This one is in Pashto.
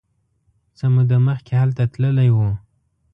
څه موده مخکې هلته تللی و.